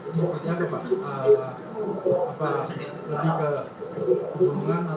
pukul sembilan malam itu apa